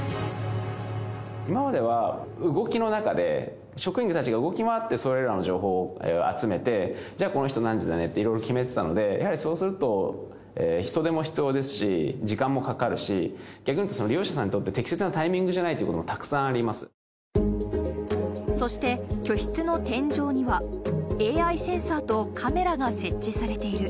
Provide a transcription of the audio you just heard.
今までは動きの中で、職員たちが動き回ってそれらの情報を集めて、じゃあこの人何時だねって、いろいろ決めてたので、やはりそうすると人手も必要ですし、時間もかかるし、逆に言うと、利用者さんにとって適切なタイミングじゃないということもたくさそして、居室の天井には、ＡＩセンサーとカメラが設置されている。